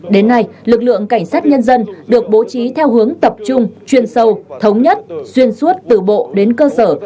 đến nay lực lượng cảnh sát nhân dân được bố trí theo hướng tập trung chuyên sâu thống nhất xuyên suốt từ bộ đến cơ sở